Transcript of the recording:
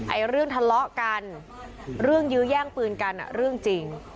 เรื่องทะเลาะกันเรื่องยื้อแย่งปืนกันเรื่องจริง